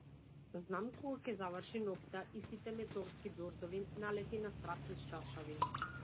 Знам кога ќе заврши ноќта и сите метеорски дождови налети на страст низ чаршафи.